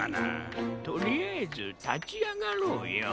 とりあえずたちあがろうよ。